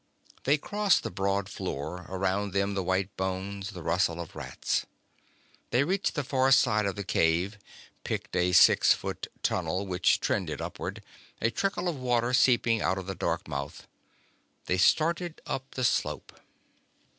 They crossed the broad floor, around them the white bones, the rustle of rats. They reached the far side of the cave, picked a six foot tunnel which trended upward, a trickle of water seeping out of the dark mouth. They started up the slope.